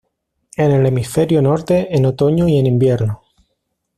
En el hemisferio norte en Otoño y en Invierno.